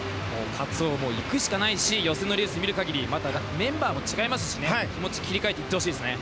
カツオ、行くしかないし予選のレースを見る限りメンバーも違いますし気持ちを切り替えていってほしいですね。